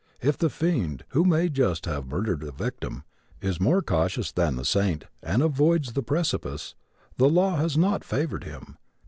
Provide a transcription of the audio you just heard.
If the fiend, who may just have murdered a victim, is more cautious than the saint and avoids the precipice, the law has not favored him.